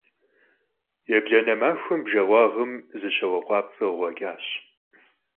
Yêblane maxuem bjje khuağım zı şaue khuapts'e khıkhueç'aş.